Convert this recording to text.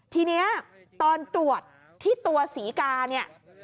ทีนี้ตอนตรวจที่ตัวศรีกา